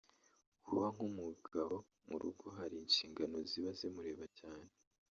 Kuba nk’umugabo mu rugo hari inshingano ziba zimureba cyane